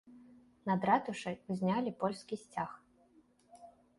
Над ратушай узнялі польскі сцяг.